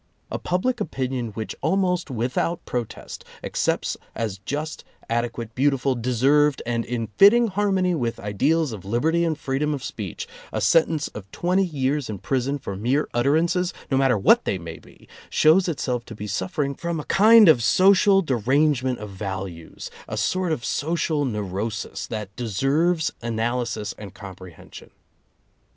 A public opinion which, almost without protest, accepts as just, adequate, beautiful, deserved and in fitting harmony with ideals of liberty and freedom of speech, a sentence of twenty years in prison for mere utterances, no matter what they may be, shows itself to be suffering from a kind of social derangement of values, a sort of social neurosis, that deserves analysis and comprehension.